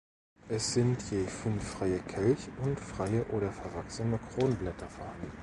Es sind je fünf freie Kelch- und freie oder verwachsene Kronblätter vorhanden.